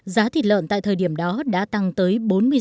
giá thịt lợn tại thời điểm đó đã tăng tới bốn mươi sáu